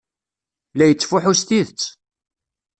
La yettfuḥu s tidet.